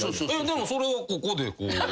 でもそれはここでこう。